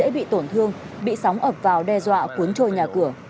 dễ bị tổn thương bị sóng ập vào đe dọa cuốn trôi nhà cửa